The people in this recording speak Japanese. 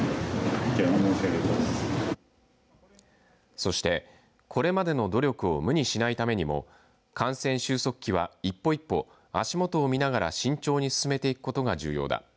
そして、これまでの努力を無にしないためにも感染収束期は一歩一歩足元を見ながら慎重に進めていくことが重要だ。